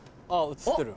映ってる。